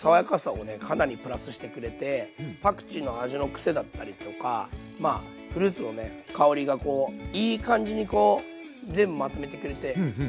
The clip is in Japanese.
かなりプラスしてくれてパクチーの味のクセだったりとかまあフルーツの香りがこういい感じにこう全部まとめてくれてすごいおすすめですね。